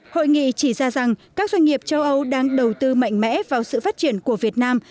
hội nghị chỉ ra rằng các doanh nghiệp châu âu đang đầu tư mạnh mẽ vào sự phát triển của việt nam